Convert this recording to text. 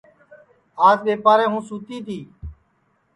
آج ٻیپارے ہوں سوتی تی